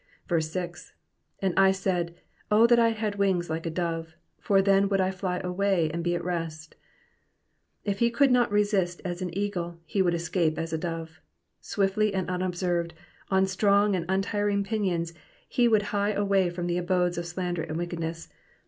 6. *'^And I mid, Oh that I had wings like a dove! for then would 1 fly away^ and he at rest,'''* If he could not resist as an eagle, he would escape as a dove. Swiftly, and unobserved, on strong, untiring pinions would he hie away from the abodes of slander and wickedness.